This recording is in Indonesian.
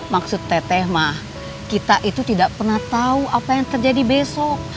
maksud teteh mah kita itu tidak pernah tahu apa yang terjadi besok